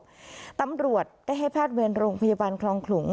มารับศพตำรวจได้ให้แพทย์เวียนโรงพยาบาลคลองขลุง